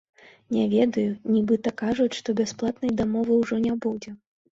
Не ведаю, нібыта кажуць, што бясплатнай дамовы ўжо не будзе.